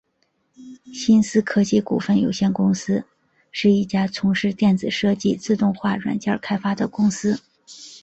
新思科技股份有限公司是一家从事电子设计自动化软件开发的公司。